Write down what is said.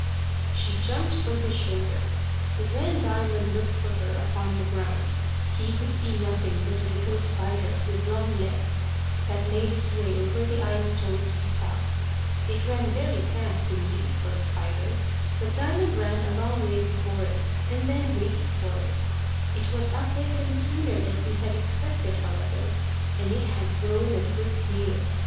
She jumped from his shoulder, but when Diamond looked for her upon the ground, he could see nothing but a little spider with long legs that made its way over the ice towards the south. It ran very fast indeed for a spider, but Diamond ran a long way before it, and then waited for it. It was up with him sooner than he had expected, however, and it had grown a good deal.